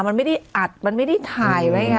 มันไม่ได้อัดมันไม่ได้ถ่ายไว้ไง